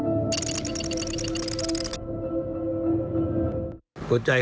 ใครคงแทนไปประชาชน